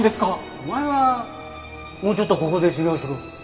お前はもうちょっとここで修業しろ。